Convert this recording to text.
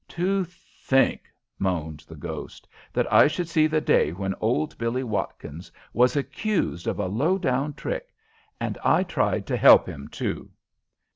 "To think," moaned the ghost, "that I should see the day when old Billie Watkins was accused of a low down trick and I tried to help him, too."